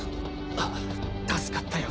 ああ助かったよ